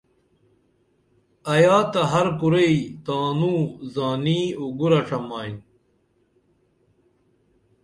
ایا تہ ہر کُرئی تانوں زانیں اُگورہ ڇمائین